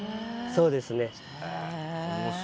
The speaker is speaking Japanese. そうですね。